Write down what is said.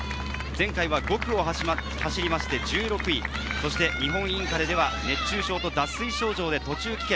前回は５区を走りまして１６位、そして日本インカレでは熱中症と脱水症状で途中棄権。